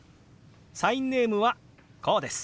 サインネームはこうです。